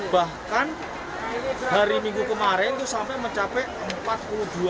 bahkan hari minggu kemarin itu sampai mencapai